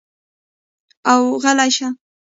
او غلے شۀ ـ